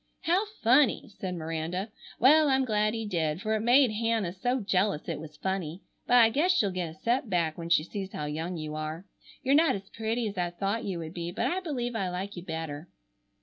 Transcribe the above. "How funny!" said Miranda. "Well, I'm glad he did, for it made Hannah so jealous it was funny. But I guess she'll get a set back when she sees how young you are. You're not as pretty as I thought you would be, but I believe I like you better."